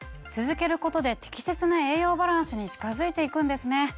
続けることで適切な栄養バランスに近づいて行くんですね。